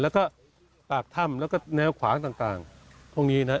แล้วก็ปากถ้ำแล้วก็แนวขวางต่างพวกนี้นะ